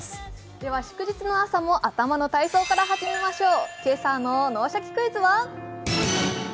では祝日の朝も頭の体操から始めましょう。